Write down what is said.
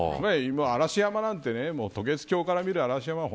嵐山なんて渡月橋から見る嵐山は